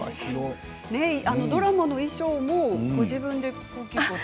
ドラマの衣装もご自分で？